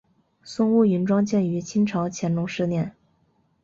松坞云庄建于清朝乾隆十年。